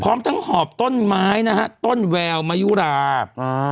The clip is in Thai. พร้อมทั้งหอบต้นไม้นะฮะต้นแววมายุราบ